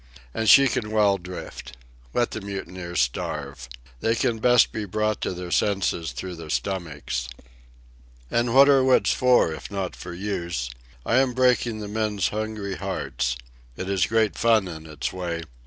And she can well drift. Let the mutineers starve. They can best be brought to their senses through their stomachs. And what are wits for, if not for use? I am breaking the men's hungry hearts. It is great fun in its way.